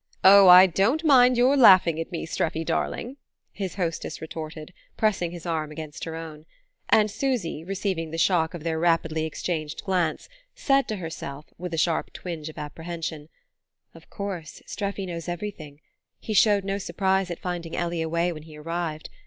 "Oh, I don't mind your laughing at me, Streffy darling," his hostess retorted, pressing his arm against her own; and Susy, receiving the shock of their rapidly exchanged glance, said to herself, with a sharp twinge of apprehension: "Of course Streffy knows everything; he showed no surprise at finding Ellie away when he arrived.